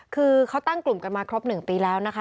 คือเขาตั้งกลุ่มกันมาครบ๑ปีแล้วนะคะ